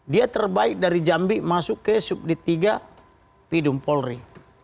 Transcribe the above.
dia terbaik dari jambi masuk ke subdit tiga pidum polri